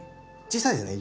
小さいですね